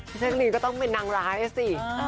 พี่เซ็กลีนก็ต้องเป็นนางร้ายสิ